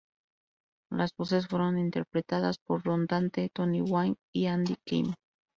Las voces fueron interpretadas por Ron Dante, Toni Wine y Andy Kim.